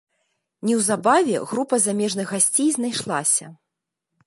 Неўзабаве група замежных гасцей знайшлася.